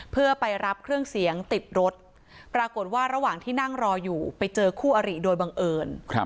เพื่อไปรับเครื่องเสียงติดรถปรากฏว่าระหว่างที่นั่งรออยู่ไปเจอคู่อริโดยบังเอิญ